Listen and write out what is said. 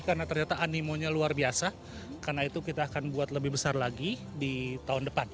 karena ternyata animonya luar biasa karena itu kita akan buat lebih besar lagi di tahun depan